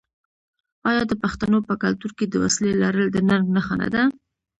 آیا د پښتنو په کلتور کې د وسلې لرل د ننګ نښه نه ده؟